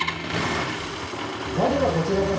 材料は、こちらです。